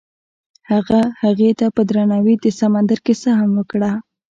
هغه هغې ته په درناوي د سمندر کیسه هم وکړه.